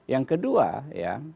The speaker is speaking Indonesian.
yang kedua ya